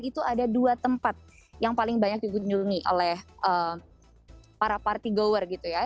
itu ada dua tempat yang paling banyak dikunjungi oleh para party gower gitu ya